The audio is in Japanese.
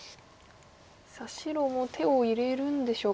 さあ白も手を入れるんでしょうか。